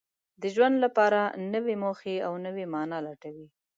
د ژوند لپاره نوې موخه او نوې مانا لټوي.